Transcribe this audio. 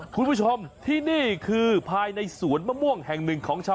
คุณผู้ชมที่นี่คือภายในสวนมะม่วงแห่งหนึ่งของชาว